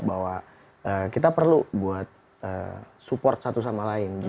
bahwa kita perlu buat support satu sama lain